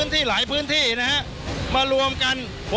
สถานการณ์ข้อมูล